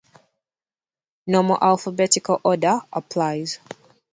Normal alphabetical order applies.